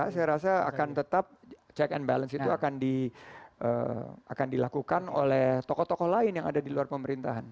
saya rasa akan tetap check and balance itu akan dilakukan oleh tokoh tokoh lain yang ada di luar pemerintahan